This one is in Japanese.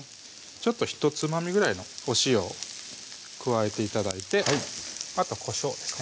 ひとつまみぐらいのお塩を加えて頂いてあとこしょうですね